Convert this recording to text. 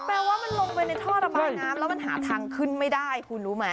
แปลว่ามันลงไปในท่อระบายน้ำแล้วมันหาทางขึ้นไม่ได้คุณรู้ไหม